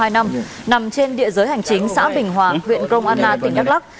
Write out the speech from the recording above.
nằm trên địa giới hành chính xã bình hòa huyện công an na tỉnh đắk lắc